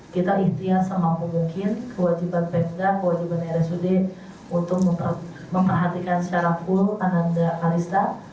kita ikhtiar semampu mungkin kewajiban pemda kewajiban rsud untuk memperhatikan secara full ananda kalista